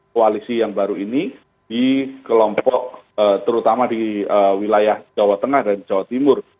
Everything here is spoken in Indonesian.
koalisi yang baru ini di kelompok terutama di wilayah jawa tengah dan jawa timur